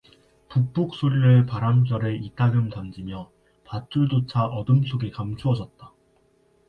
북북 소리를 바람결에 이따금 던지며 밧줄조차 어둠 속에 감추어졌다.